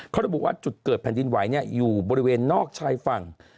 เขาระบุว่าจุดเกิดแผ่นดินไหวอยู่บริเวณนอกชายฝั่ง